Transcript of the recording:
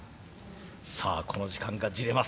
さあこの時間がじれます。